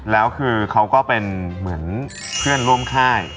และเค้าก็เป็นที่เคื่อนร่วมค่าย